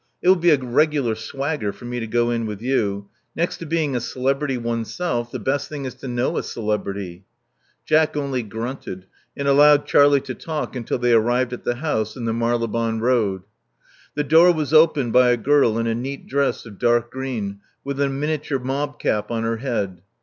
It will be a regular swagger for me to go in with you. Next to being a celebrity oneself, the best thing is to know s? celebrity/' Jack only grunted, and allowed Charlie to talk until they arrived at the house in the Marylebone Road. The door was opened by a girl in a neat dress of dark green, with a miniature mob cap on her head.